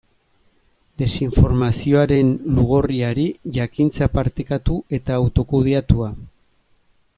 Desinformazioaren lugorriari, jakintza partekatu eta autokudeatua.